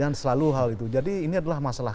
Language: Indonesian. dan selalu hal itu jadi ini adalah masalah